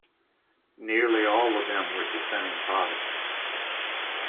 Nearly all of them were Dissenting Protestants.